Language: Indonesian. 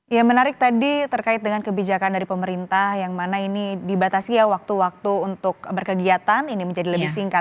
ya menarik tadi terkait dengan kebijakan dari pemerintah yang mana ini dibatasi ya waktu waktu untuk berkegiatan ini menjadi lebih singkat